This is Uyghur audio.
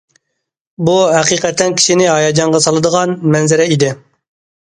بۇ، ھەقىقەتەن كىشىنى ھاياجانغا سالىدىغان مەنزىرە ئىدى.